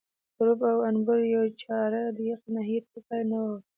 پروب او انبور یا چاړه د یخې ناحیې تر پایه نه وه تللې.